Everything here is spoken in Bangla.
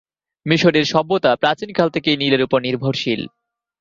মিশরের সভ্যতা প্রাচীন কাল থেকেই নীলের উপর নির্ভরশীল।